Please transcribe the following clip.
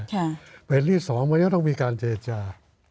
แต่ที่สองวันนี้ต้องมีการเจจา